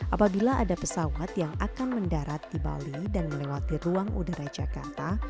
apabila ada pesawat yang akan mendarat di bali dan melewati ruang udara jakarta